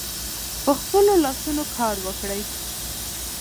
په خپلو لاسونو کار وکړئ.